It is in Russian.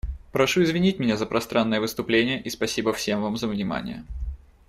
Прошу извинить меня за пространное выступление и спасибо всем вам за внимание.